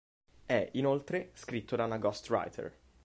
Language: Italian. È, inoltre, scritto da una ghostwriter.